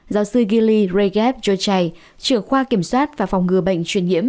giáo sư gilley regev jochai trưởng khoa kiểm soát và phòng ngừa bệnh truyền nhiễm